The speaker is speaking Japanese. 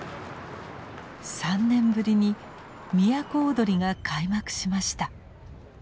３年ぶりに都をどりが開幕しました。